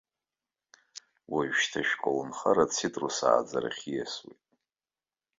Уажәшьҭа шәколнхара ацитрус ааӡарахь ииасуеит.